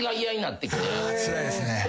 つらいですね。